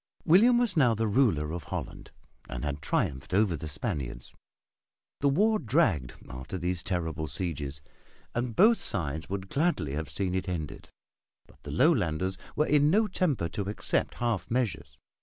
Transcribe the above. William was now the ruler of Holland and had triumphed over the Spaniards. The war dragged after these terrible sieges and both sides would gladly have seen it ended; but the Lowlanders were in no temper to accept half measures.